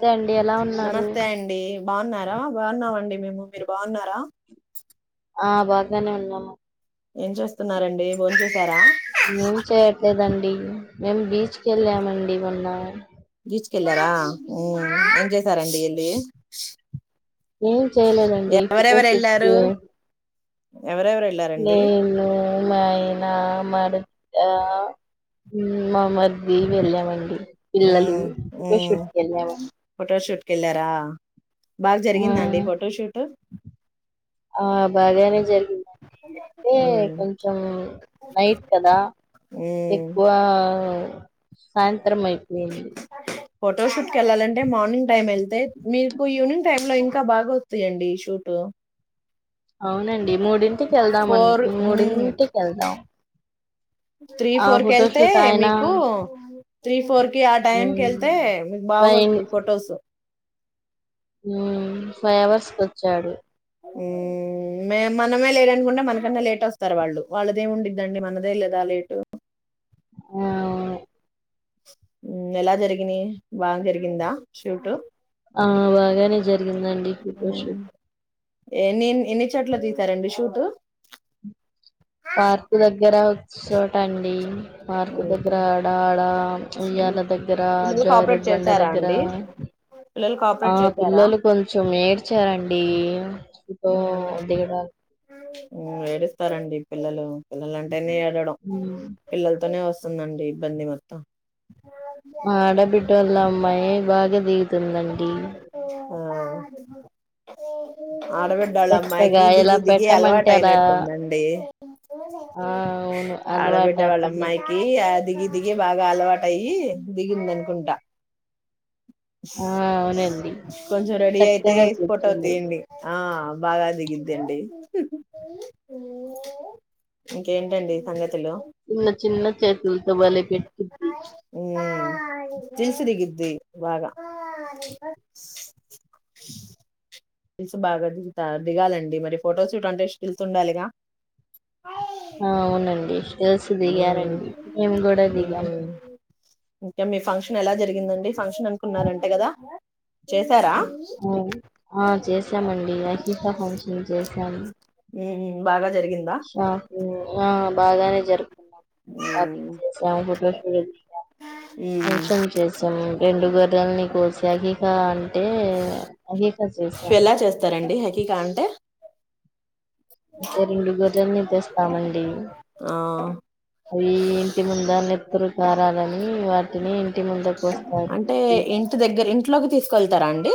రండి ఎలా ఉన్నారు? నమస్తే అండి బాగున్నారా బాన్నామండి మేము మీరు బాగున్నారా ఆ బాగానే ఉన్నాము ఏం చేస్తున్నారండి భో చే ఏం చేయట్లేదండి మేము బీచ్కి వెళ్ళామండి ఇ మన్న బీచ్ కెళ్ళారా ఏం చేసారండి వెళ్ళి ఏం చేయలేదండి ఎవరెవరు ఫోటోషూట్ వెళ్ళారు ఎవరెవరు వెళ్ళారండి నేను మ మైనా మరి మమ్మద్ వి వెళ్ళామండి పిల్లలు ఫోటో షూట్ కి వెళ్ళామండి ఫోటోషూట్ కెళ్లరా బాగ ఆ జరిగిందా అండి ఫోటో షూట్? ఆ బాగానే జరి అయితే ఉమ్, కొంచెం నైట్ కదా ఉమ్. ఎక్కువా సా యత్రం అయిపోయింది. ఫోటో షూట్కి ఎళ్ళాలంటే మార్నింగ్ టైం వెళ్తే మీకు ఈవనింగ్ టైమ్ లో ఇంకా బాగ వస్తయండి షూటు. అవునండి మూడింటికి వెళ్దాం అన్ ఫోర్ మూడింటికి వెళ్దాం. త్రీ ఆ ఫోర్ కి వెళ్తే ఫోటోషూట్ ఆయన మీకు త్రీ ఫోర్ కి ఆ టైం కి మ్మ్ వెళ్తే మీకు బాగ వస్తాయి ఫొటోస్. మ్ ఫైవ్ అవర్స్కొచ్చాడు. మ్మ్ మే మనమే లేదనుకుంటే మనకన్నా లేట్ వస్తారు వాళ్ళు. వాళ్ళదేం ఉండిద్దండి మనదే లేదా లేటు. ఆ మ్ ఎలా జరిగినయి బాగ జరిగిందా షూట్ ఆ బాగానే జరిగిందండి ఫోటోషూట్. ఎన్నెన్ ఎన్ని చోట్ల దిగుతరండి షూటు పార్క్ దగ్గర చోటండి పార్కు దగ్గర ఆడాడ ఉయ్యాల దగ్గర, పిల్లలు కోఆపరేట్ జారుడ్ బండ చేసారా దగ్గర, అండి పిల్లలు ఆ కోఆపరేట్ చేసారా పిల్లలు కొంచెం ఏడ్చారం డీ ఏడిస్తారండి పిల్లలు పిల్లల ని ఏడడం మ్మ్ పిల్లలతోనే వస్ అవుతుతండి ఇబ్బంది మొత్తం ఆ ఆడబిడ్డ ఒళ్ళ అమ్మాయి బాగ దిగుతుందండి. ఆ ఆడబిడ్డోళ్ళ అమ్మాయికి చక్కగా ఎలా దిగి దిగి అలవాటు పెట్టమంటే అలా అయినట్టుందండి. ఆ అవును అలవాట ఆడబిడ్డ ఆ వాళ్ళ పిల్లకి అమ్మాయికి ఆ దిగి దిగి బాగా అలవాటయ్యి దిగింద అనుకుంటా. ఆ అవునండి కొంచెం రెడీ అయితే చక్కగా ఫోటో కూర్చుంది తియిండి. ఆ బాగా దిగుద్దండి. ఇంకేంటండి సంగతి? చిన్న చిన్న చెతులుతో బలే పెట్టిద్ది. దిన్స్ దిగిద్ది బాగా టిల్స్ బాగా దిగుత దిగాలండి మరి ఫోటోస్ షూట్ అంటే స్టీల్స్ ఉండాలిగా! అవునండి గర్ల్స్ ఉమ్ దిగారండి మేము కూడా దిగాం ఉమ్ ఇంకా మీ ఫంక్షన్ ఎలా జరిగిందండి ఫంక్షన్ అనుకున్నార అంట కదా చేశారా అ ఆ చేశామండి అహీఫా ఫంక్షన్ చేశాము ఉమ్ బాగా జరిగిందా షాంపూ ఆ బాగానే జరుపు ఉమ్ షాపింగ్ చేసాం, ఫోటో [unintelligible] ఉమ్ ఫంక్షన్ చేసాం, రెండు గర్రల్ని కోసి అహిక అంటే అహకా చేసాం ఎలా చేస్తారండి హకీకా అంటే అంటే రెండు గొర్రెల్ని తెస్తామండి ఆ అవి ఇంటి ముందు ఆ నెత్తురు. వారాలని వాటిని ఇంటి ముందుకు కోస్ అంటే ఇంటి దగ్గర ఇంట్లోకి తీసుకెళ్ల్ తర అండి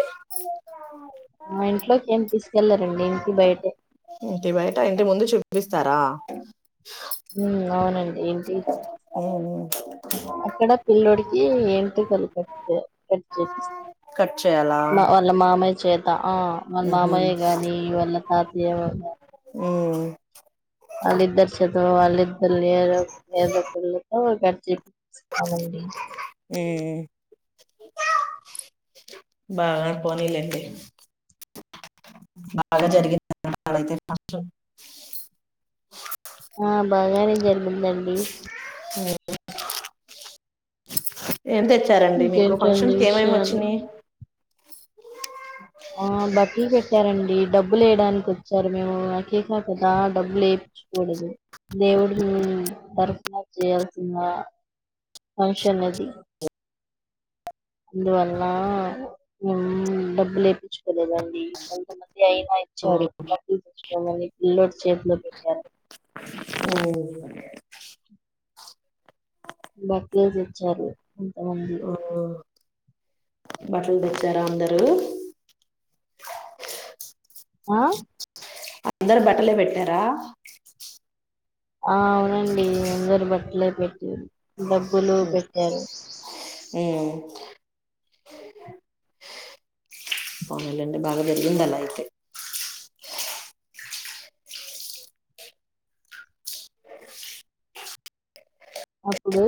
ఆ ఇంట్లోకి ఏం తీసుకెళ్లారండి ఇంటి బయటే ఇంటి బయట ఇంటి ముందు చూపిస్తారా మ్మ్ అవునండి ఇంటి మ్మ్ హుం అక్కడ పిల్లోడికి ఏంటికల్ కట్ చే కట్జేపిచ్ కట్ చేయాలా చే క ఆ వాళ్ ఉహు మామయ్య గాని వాళ తాతయ్ ఏమో గా ఉమ్ వాళ్ళిద్దరు చేతులతో వాళ్ళిద్దరు ఏద ఏదోకలతో గట్ చెప్ యే బాగా పోనీలెండి బాగా జరిగింది [unintelligible] ఆ బాగరిం ముందండి అ ఏం తెచ్చారండి మీకు ఇంకేంటండి ఫంక్షన్స్కి ఏమేమి విషయాలు వచ్చినందియి ఆ బట్ టి పెట్టారండి డబ్బు లేేయడానికి వచ్చారు మేము, నా కేకా కదా డబ్బులు లేయిచకూడదు. దేవుడు ఉ తరఫున చేయాల్సిన ఫంషన్ అది అందువల్ల మేము డబ్బు లేపించుకోలేదండి కొంతమంది అయినా ఉమ్ ఇచ్చారు బట్లు చూసుకోమని పిల్లోడు చేతిలో పెట్టారు అఓ బత్లేజ ఇచ్చారు ఎంత ఉంది ఉమ్ బట్టలు తెచ్చారా అందరూ ఆ అందరు బట్టలే పెట్టారా ఆ అవునండి అందరు బట్టలే పెట్టటి డబ్బులు పెట్టారు హ పనలే భాగా వెరిందల అతే అప్పుడు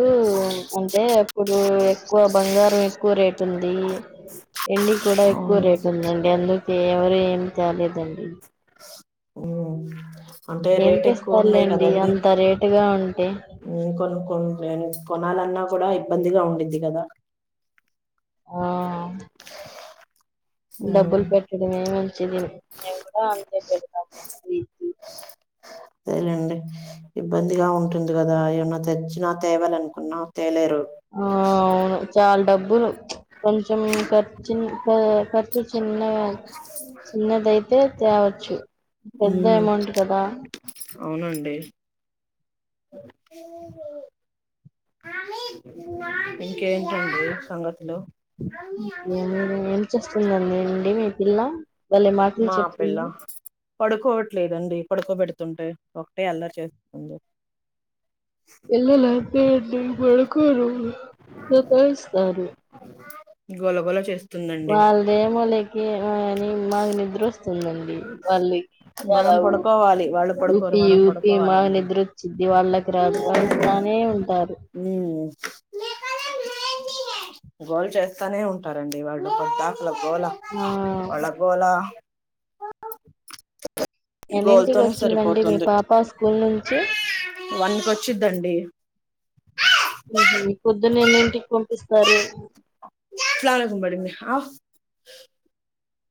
అంటే అప్పుడు ఎక్కువ బంగారం ఎక్కువ రేటు ఉంది ఎండి కూడా ఎక్కువ అవును రేటు ఉందండి అందుకే ఎవరు ఏమి తాలేదండి ఉమ్. అంటే ఏం రేట్ ఎక్కువ ఉన్నాయి తెస్తారులేండి కదండి అంత రేటుగా ఉంటే కొన్ని కొన్ని కొనాలన్నా కూడా ఇబ్బందిగా ఉంంది అది కదా ఆ ఉమ్. డబ్బులు పెట్టటిదు మేమ ది మేము కూడా అంతే పెడతాం ఇది సరేలేండి ఇబ్బందిగా ఉంటుంది కదా ఏమన్నా తెచ్చినా తేవాలనుకున్నా తేలేరు ఆ స అవును చాలా డబ్బులు కొంచెం క ర్ చి ఖర్చు చిన్న చిన్నదియితే తేవచ్చు పెద్ద ఉమ్, అమౌంట్ కదా అవునండి ఇంకేంటడి సంగతులు కే నను ఏం చేస్తుందిం అండి మీ పిల్ల భలే మాటలు మా పిల్ల చెప్తుంది పడుకోవట్లేదండి పడుకోబెడుతుంటాయి ఒకటే అలరీ చేస్తుంది ఎల్లా అంత బెడుకరు జతయస్తస్తారు గోల గోల చేస్ వాళ్ళదేములేకి అ నాక్ నిద్ర వ వందండి వాళ్ళకి చాల మనం ఊ పడుకోవాలి వాళ్ళు పడుకోరు ఊపి మనం ఊపి మా పడుకోవాలండి నిద్ర వచ్చింది ఇది వాళ్ళకి రా వస్తానే ఉంటారు గోల్ చేస్తానే ఉంటారండి వాళ్ళు కొద్ద వాళ కోలా ఆ వళ్ళ కోలా ఎన్నింటికి గోల్తోనే వచ్చిందండి మీ పాప స్కూల్ నుంచి వన్కి వచ్చిద్దండి హ పొద్దునన్నేంటికి పంపిస్తారు అలాకుమ్ పడిమి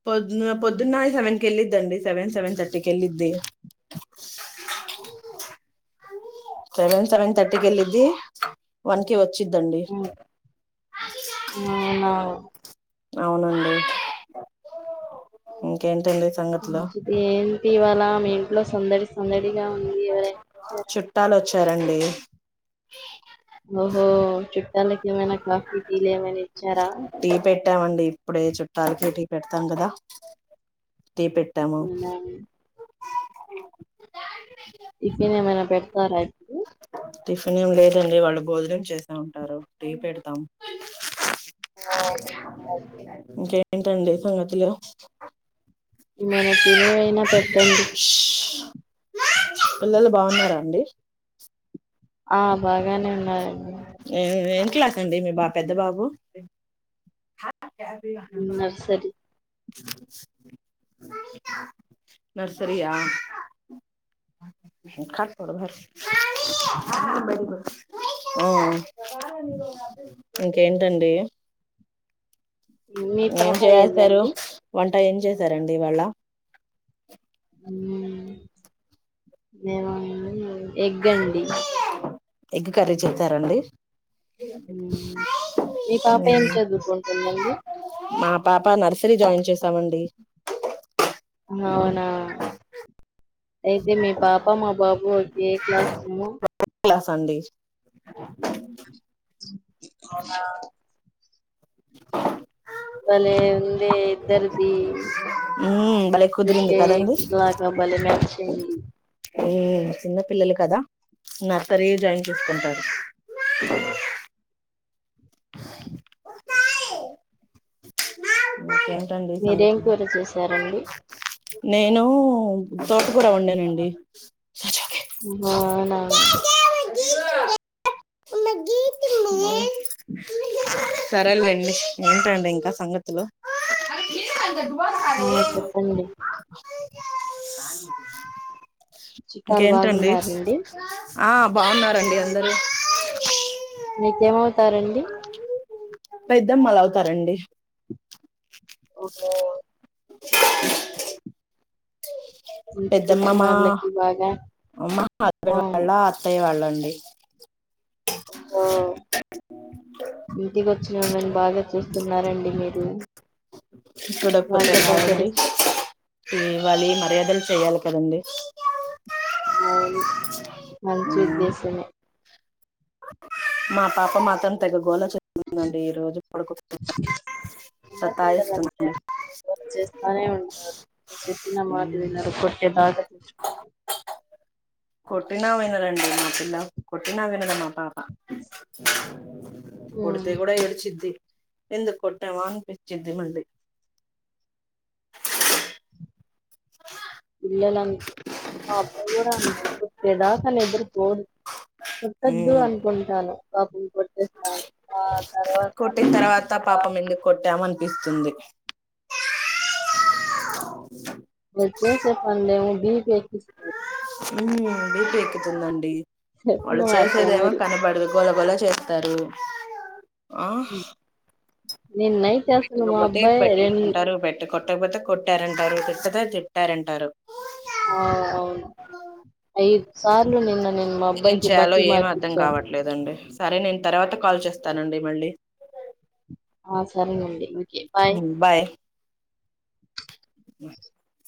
పొద్న పొద్దున్న సెవెన్ క వెళ్ళద్దండి సెవెన్ సెవెన్ థర్టీకి వెళ్ళది సెవెన్ సెవెన్ థర్టీల్ది వన్కి వ వచ్చిద్దండి ఆ, అవునా అవునండి ఇంకేం ఏంటి ఇవళ మీ ఇంట్లో సందడి సందడిగా ఉంది ఎవర చుట్టాలు వచ్ సరండి ఓహో చుట్టాకి ఎమన్నా కాఫీ టి లు ఎ టీ పెట్టామండి ఇప్పుడే చుట్టాల కే టీ పెడతాం కదా టీ పెట్టాము అవునా టిఫిన్ ఏమైనా పెడతారా ఇప్పుడు టిఫిన్ ఏం లేదండి వాళ్ళు భోజనం చేసే ఉంటారు టీ పెడతాం ఓ అలా. ఇంకే ఏంటండి సంగతులు ఈమైనా తినేవైనా పెట్టండి పిల్లలు బావున్నారా అండి ఆ బాయ్ గానే ఉన్నారండి ఏ ఏం క్లాస్ అండి మీ బాబు పెద్ద బాబు [unintelligible] నర్సరీ [unintelligible] నర్సరియా ఇంకేంటండి మీ ఏం పాప చేస్తారు ఏదండి వం ఏం చేసారండి ఇవాళ ఊ ఏముంది ఏ ఎగ్ అండి ఎగ్ కర్రీ చేసారండి మ్ మీ పాప ఏం చదువుకుంటుందండి మా పాప నర్సరీ జాయిన్ చేశామండి అవునా అయితే మీ పాప మా బాబు ఒకే క్లాస్ ను కలాస్ అండి అవునా బలే ఉంది ఇద్దరిది మ్మ్ బలే కుదిరుంది ఒకే కదండీ లాగా [unintelligible] చిన్న పిల్లలు కదా నర్సరీ జాయిన్ చేసుకుంటారు అకే మీరేం కూర చేసారండి నేను తోట కూర వండానండి ఓహో అవునా గీ మ మ సరేలెండీ ఏంటండి ఇంకా సంగతులు ఆ చెప్పండి కా చిట్టాలు బాగున్నారండి ఆ బాగున్నారండి అందరూ మీకేమవుతారండి పెద్దమ్మలవుతారండి ఓహో ఇంటికొచ్చిన పెద్దమ్మమా వాళ్ళకి బాగా అమ్మ హస్బెండ్ వాళ్ళ అత్తయ్య వాళ్ళండి అండి ఇకో ఇంటికి వచ్చిన వాళ్ళని బాగా చూస్తున్నారండి మీరు చూడకపోతే బాగా బాగుండి పలకరిస్తున్నారు ఇవ్వాలి మర్యాద. పిల్లల్ చెయాలి కదండి? అవును. మంచి ఉమ్, ఉద్దేశమే. మా పాప మాత్రం తెగ గోళ చె వుందండి ఈ రోజు పడుకోపెట్టకపోతే చిన్న పిల్లలంటే సతాయిస్తుందండి. గోల చేస్తానే ఉంటారు చెప్పిన మాట ఉమ్ వినరు కొట్టేదాకా కొట్టినా వినరండి మాటలా కొట్టిన వినదు మా పాప మ్మ్ కొడితే కూడా ఏడ్చది ఎందుకొట్టవా అనిపించిద్ద మళ్లీ పిల్లల అంతే మా అబ్బాయి కూడా అంతే కొట్టేదాక నిద్రపోరు కొట్టద్దు ఉమ్, అనుకుంటాను పాపం కొట్టేస్తాను ఆ తర్వాత కొట్టిన తర్వాత పాపం ఎందుకొట్టం అని పిస్తుంది వచ్చేసే మేము [unintelligible] ఉమ్, బీ పీ ఎక్కుతుందండి. చెప్పిన వాళ్ళు మాట చేసేదేమో వినరు కనపడదు గోల గో గోల చేత్తారు. ఆహ్ నిన్ నైట్ అసలు మా అబ్బాయి రెండు కొట్టపోతే కొట్టారంటారు, తిట్టుతే తిట్టారంటారు. ఆ అవును, ఐదు సార్లు నిన్న నేను మా ఏం అబ్బాయికి చేయాలో బట్టలు ఏం అర్థం మార్పిచ్చాను. కావట్లేదండి సరే నేన్ తర్వాత కాల్ చేస్తానండి మళ్ళీ. ఆ సరేనండి. ఉమ్ బాయ్.